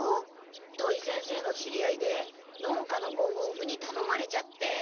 土井先生の知り合いで農家のごふうふにたのまれちゃって。